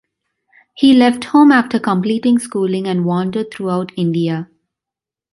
He left home after completing schooling and wandered throughout India.